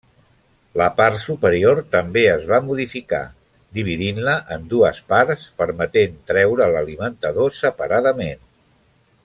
La part superior també es va modificar, dividint-la en dues parts, permetent treure l'alimentador separadament.